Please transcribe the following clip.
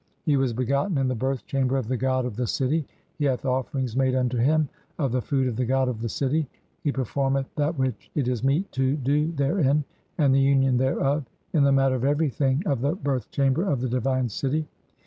He was begotten in the birth chamber of the god of "the city, he hath offerings [made unto him] of the food of "the god of the city, he performeth that which it is meet to "do therein, and the union thereof, in the matter of everything "of the birth chamber (17) of the divine city.